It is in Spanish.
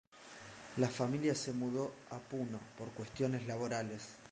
La familia se mudó a Puno por cuestiones laborales.